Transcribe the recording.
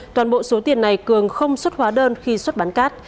toàn bộ số tiền này cường không xuất hóa đơn khi xuất bán cát